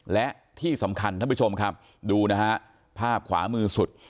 และที่สำคัญท่านผู้ชมครับดูนะฮะภาพขวามือสุด